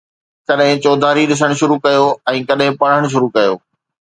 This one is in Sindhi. ڪڏهن چوڌاري ڏسڻ شروع ڪيو ۽ ڪڏهن پڙهڻ شروع ڪيو